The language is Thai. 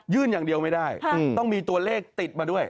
อย่างเดียวไม่ได้ต้องมีตัวเลขติดมาด้วย